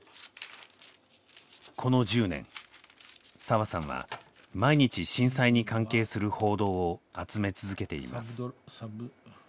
この１０年澤さんは毎日震災に関係する報道を集め続けています。